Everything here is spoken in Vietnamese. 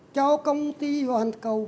cho công ty hoàn cầu